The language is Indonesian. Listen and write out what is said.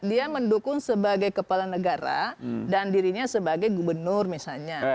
dia mendukung sebagai kepala negara dan dirinya sebagai gubernur misalnya